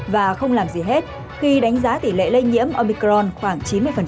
và không làm gì hết khi đánh giá tỷ lệ lây nhiễm omicron khoảng chín mươi